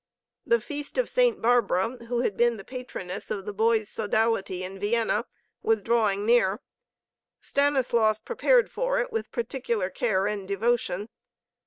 The feast of Saint Barbara, who had been the patroness of the boys' sodality in Vienna, was drawing near. Stanislaus prepared for it with particular care and devotion.